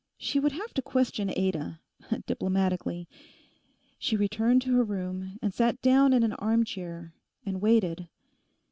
She would have to question Ada—diplomatically. She returned to her room and sat down in an arm chair, and waited.